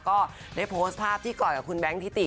ก็ได้โพสต์ภาพที่เกาะกับคุณแบ้งข์ทิตติ